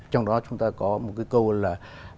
trong đó chúng ta có một cái câu là